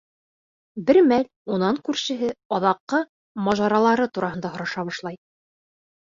Бер мәл унан күршеһе аҙаҡҡы мажаралары тураһында һораша башлай.